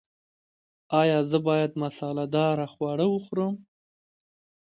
ایا زه باید مساله دار خواړه وخورم؟